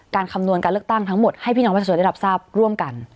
คำนวณการเลือกตั้งทั้งหมดให้พี่น้องประชาชนได้รับทราบร่วมกัน